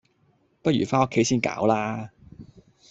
不如返屋企先搞啦